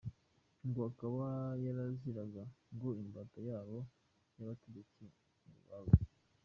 Ngo akaba yaraziraga ngo imbata y’abo bategetsi ngo yabuze!